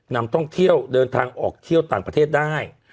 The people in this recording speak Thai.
นำท่องเที่ยวเดินทางออกเที่ยวต่างประเทศได้